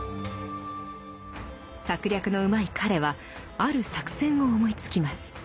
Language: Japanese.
策略のうまい彼はある作戦を思いつきます。